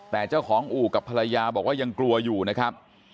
แต่เจ้าของอู่กับภรรยาบอกว่ายังกลัวอยู่นะครับ